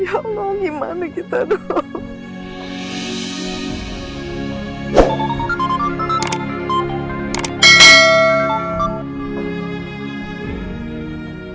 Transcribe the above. ya allah gimana kita dong